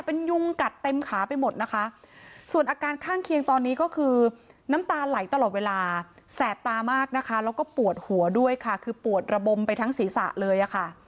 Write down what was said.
เป็นยุงกัดเต็มขาไปหมดนะคะส่วนอาการข้างเคียงตอนนี้ก็คือน้ำตาไหลตลอดเวลาแสบตามากนะคะแล้วก็ปวดหัวด้วยค่ะคือปวดระบมไปทั้งศีรษะเลยอะค่ะ